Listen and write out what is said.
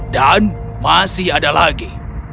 dan masih ada lagi